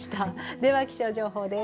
では気象情報です。